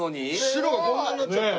白がこんなになっちゃった。